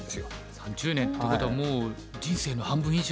３０年ってことはもう人生の半分以上。